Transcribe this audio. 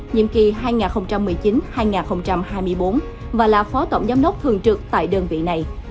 nhiệm kỳ hai nghìn một mươi chín hai nghìn hai mươi bốn và là phó tổng giám đốc thường trực tại đơn vị này